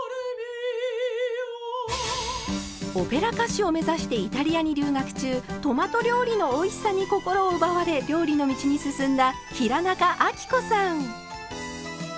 オペラ歌手を目指してイタリアに留学中トマト料理のおいしさに心を奪われ料理の道に進んだ平仲亜貴子さん。